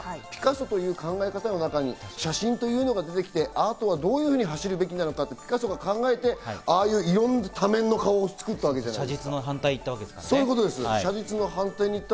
ピカソという考え方の中に写真というのが出てきて、アートがどういうふうに走るべきなのか、ピカソが考えて、あぁいう仮面の顔を作ったわけです。